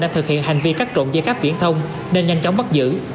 đang thực hiện hành vi cắt rộn dây cáp viễn thông nên nhanh chóng bắt giữ